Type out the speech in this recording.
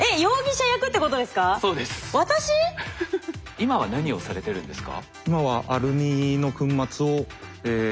今は何をされてるんですか？